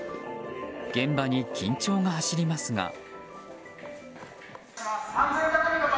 現場に緊張が走りますが。